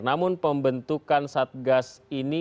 namun pembentukan saat gas ini